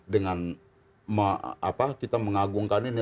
dengan kita mengagungkan ini